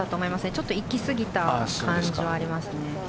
ちょっと行き過ぎた感じはありますね。